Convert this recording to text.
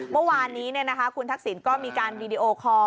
เมื่อวานนี้คุณทักษิณก็มีการวีดีโอคอร์